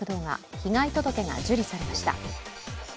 被害届が受理されました。